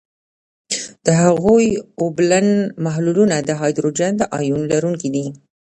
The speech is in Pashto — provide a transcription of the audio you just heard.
د هغوي اوبلن محلولونه د هایدروجن د آیون لرونکي دي.